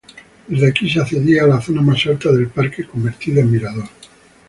Desde aquí se accedía a la zona más alta del parque, convertida en mirador.